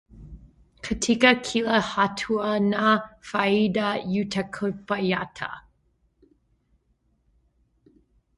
katika kila hatua na faida utakayopata.